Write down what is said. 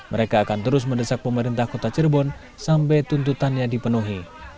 mereka akan terus mendesak pemerintah kota cirebon sampai tuntutannya dipenuhi